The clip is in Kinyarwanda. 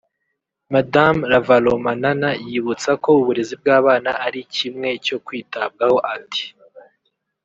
Mme Ravalomanana yibutsa ko uburezi bw’abana ari kimwe cyo kwitabwaho ati